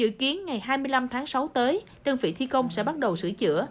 dự kiến ngày hai mươi năm tháng sáu tới đơn vị thi công sẽ bắt đầu sửa chữa